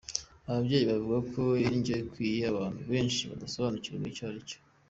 Aba babyeyi bavuga ko indyo ikwiye abantu benshi badasobanukirwa icyo ari cyo.